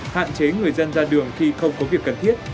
hạn chế người dân ra đường khi không có việc cần thiết